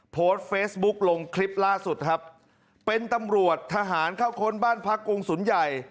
โพสต์เฟซบุ๊คลงคลิปล่าสุดครับเป็นตำรวจทหารเข้าค้นบ้านพักกรุงศูนย์ใหญ่